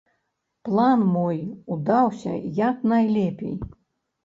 План мой удаўся як найлепей.